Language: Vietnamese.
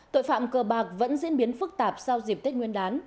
tội phạm cờ bạc vẫn diễn biến phức tạp sau dịp tết nguyên đán